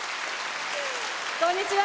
こんにちは。